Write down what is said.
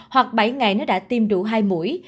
hoặc bảy ngày nó đã tiêm đủ hai mũi